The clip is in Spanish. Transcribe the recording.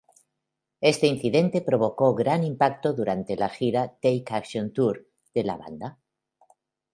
Este incidente provocó gran impacto durante la gira "Take Action Tour" de la banda.